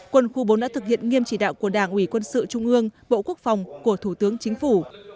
quân khu bốn đã thực hiện nghiêm chỉ đạo của đảng ủy quân sự trung ương bộ quốc phòng của thủ tướng chính phủ